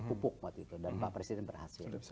pupuk waktu itu dan pak presiden berhasil